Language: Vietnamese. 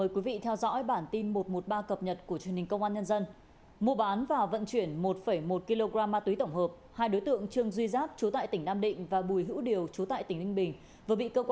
quyết định khởi tố